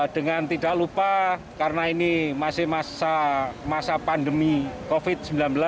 dengan tidak lupa karena ini masih masa pandemi covid sembilan belas